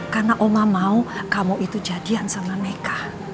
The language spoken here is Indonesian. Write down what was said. karena oma mau kamu itu jadian sama mereka